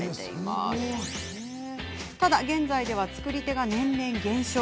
しかし現在では作り手が年々減少。